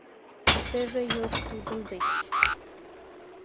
Теве йод тудын деч.